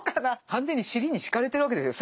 完全に尻に敷かれてるわけですよ。